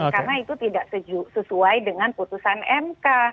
karena itu tidak sesuai dengan putusan mk